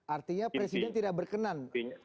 artinya presiden tidak berkenan